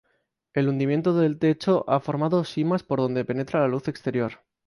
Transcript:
El hundimiento del techo ha formado simas por donde penetra la luz exterior.